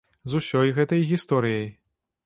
З усёй гэтай гісторыяй.